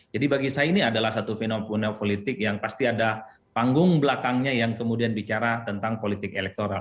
jadi bagi saya ini adalah satu fenomena politik yang pasti ada panggung belakangnya yang kemudian bicara tentang politik elektoral